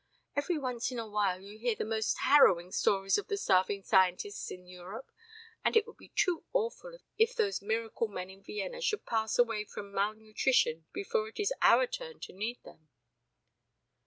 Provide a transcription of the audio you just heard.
Every once in a while you hear the most harrowing stories of the starving scientists of Europe, and it would be too awful if those miracle men in Vienna should pass away from malnutrition before it is our turn to need them."